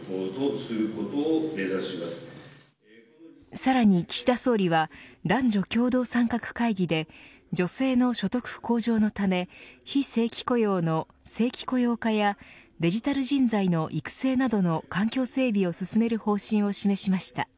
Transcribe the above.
さらに岸田総理は男女共同参画会議で女性の所得向上のため非正規雇用の正規雇用化やデジタル人材の育成などの環境整備を進める方針を示しました。